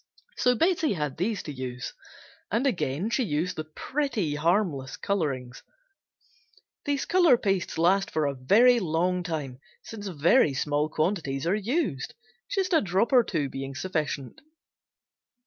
So Betsey had these to use, and again she used the pretty harmless colorings as told on page 95. These color pastes last for a very long time, since very small quantities are used, just a drop or two being sufficient.